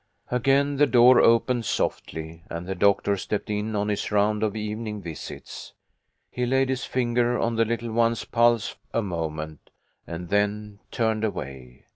Again the door opened softly, and the doctor stepped in on his round of evening visits. He laid his finger on the little one's pulse a moment, and then turned away.